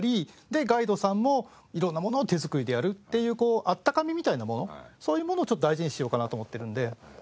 でガイドさんも色んなものを手作りでやるっていうこう温かみみたいなものそういうものを大事にしようかなと思ってるので。